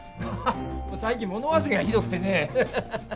最近物忘れがひどくてね